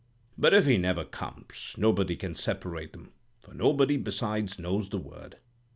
But if he never comes, nobody can separate 'em; for nobody besides knows the word.